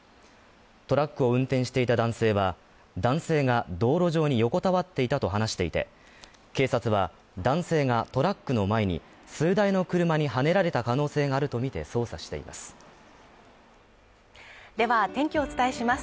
トラックを運転していた男性は男性が道路上に横たわっていたと話していて、警察は男性がトラックの前に数台の車にはねられた可能性があるとみて捜査していますでは天気をお伝えします。